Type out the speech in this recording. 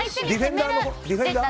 ディフェンダー？